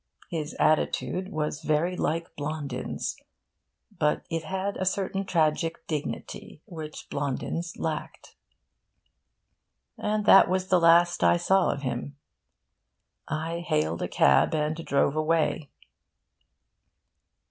His attitude was very like Blondin's, but it had a certain tragic dignity which Blondin's lacked. And that was the last I saw of him. I hailed a cab and drove away.